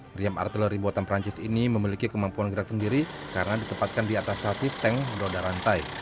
meriam artileri buatan perancis ini memiliki kemampuan gerak sendiri karena ditempatkan di atas selfie sank roda rantai